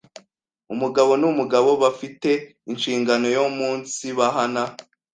umugabo n’umugabo ba fi te inshingano yo umunsibahana,